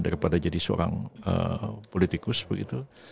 daripada jadi seorang politikus begitu